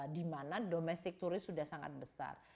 dimana domestic tourist sudah sangat besar